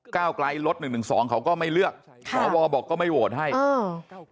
ก้าวไกลลดหนึ่งหนึ่งสองเขาก็ไม่เลือกใช่สวบอกก็ไม่โหวตให้อืม